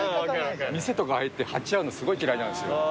店とか入って鉢合うのすごい嫌いなんですよ。